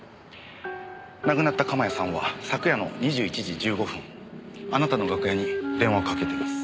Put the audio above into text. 亡くなった鎌谷さんは昨夜の２１時１５分あなたの楽屋に電話をかけています。